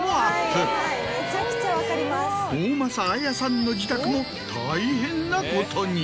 大政絢さんの自宅も大変なことに。